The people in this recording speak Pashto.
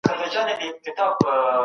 شرف په ښو اخلاقو کي نغښتی دی.